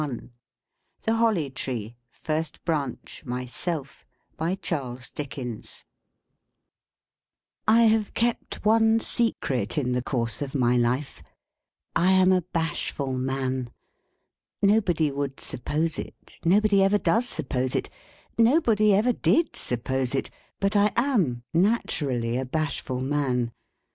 ac.uk THE HOLLY TREE THREE BRANCHES FIRST BRANCH MYSELF I have kept one secret in the course of my life. I am a bashful man. Nobody would suppose it, nobody ever does suppose it, nobody ever did suppose it, but I am naturally a bashful man.